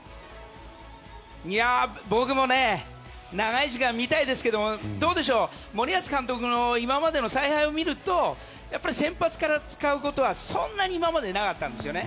僕も長い時間見たいですけど森保監督の今までの采配を見ると先発から使うことはそんなになかったんですよね。